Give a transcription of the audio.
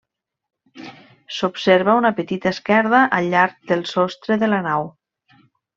S'observa una petita esquerda al llarg del sostre de la nau.